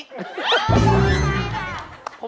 พูดมั่นไงแหละ